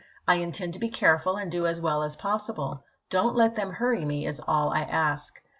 I intend to be careful and do as well as possible. Don't let them hurry me, is all I ask."